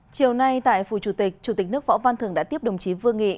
chiều nay tại phủ chủ tịch chủ tịch nước võ văn thường đã tiếp đồng chí vương nghị